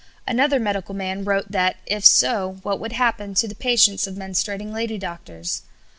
Another medical man wrote that if so, what would happen to the patients of menstruating lady doctors?